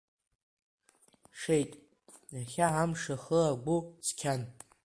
Шеит, иахьа амш ахы-агәы цқьан.